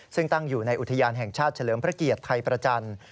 ซึ่งตั้งอยู่ในอุทยานแห่งชาติเฉลิมพระเกียรติไทยประจันทร์